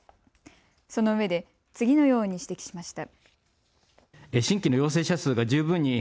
そのうえで次のように指摘しました。